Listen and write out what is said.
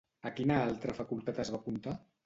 A quina altra facultat es va apuntar?